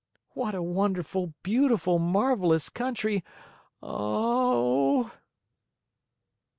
"What a wonderful, beautiful, marvelous country! Oh h h!!"